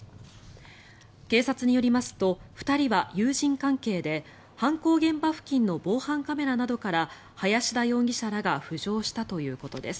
警察によりますと２人は友人関係で犯行現場付近の防犯カメラなどから林田容疑者らが浮上したということです。